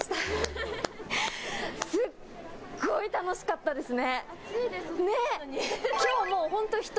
すっごい楽しかったですね。